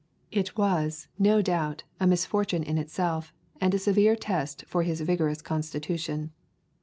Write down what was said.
It was, no [ xx ] Introduction doubt, a misfortune in itself, and a severe test for his vigorous constitution.